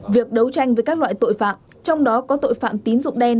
việc đấu tranh với các loại tội phạm trong đó có tội phạm tín dụng đen